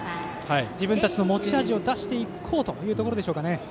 自分たちの持ち味を出していこうというところでしょうかね。